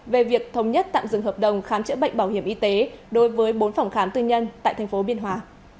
về việc thống nhất tạm dừng hợp đồng khám chữa bệnh bảo hiểm y tế đối với bốn phòng khám tư nhân tại tp biên hòa